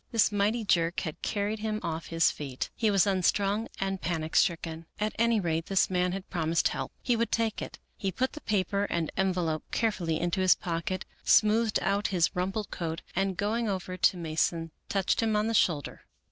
This mighty jerk had carried him off his feet. He was unstrung and panic stricken. At any rate this man had promised help. He would take it. He put the paper and envelope carefully into his pocket, smoothed out his rumpled coat, and going over to Mason touched him on the shoulder.